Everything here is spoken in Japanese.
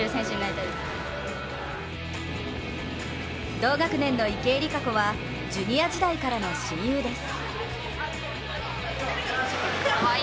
同学年の池江璃花子はジュニア時代からの親友です。